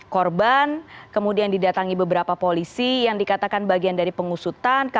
korban kemudian didatangi beberapa polisi yang dikatakan bagian dari pengusutan